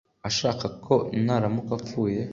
ashaka ko naramuka apfuye,